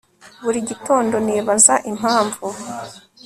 Buri gitondo nibaza impamvu